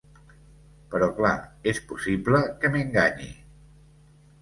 Però clar, és possible que m’enganye.